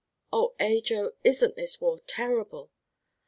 "Oh, Ajo, isn't this war terrible?"